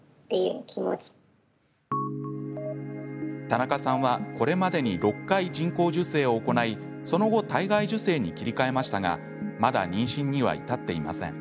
田中さんはこれまでに６回人工授精を行い、その後体外受精に切り替えましたがまだ妊娠には至っていません。